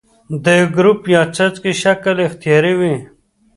د یو ګروپ یا څانګې شکل اختیاروي.